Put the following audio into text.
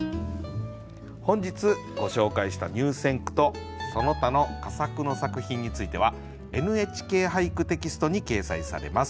本日ご紹介した入選句とその他の佳作の作品については「ＮＨＫ俳句」テキストに掲載されます。